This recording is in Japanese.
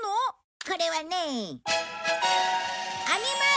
これはね。